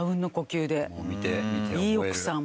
いい奥さん。